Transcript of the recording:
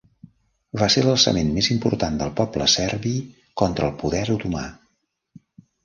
Va ser l'alçament més important del poble serbi contra el poder otomà.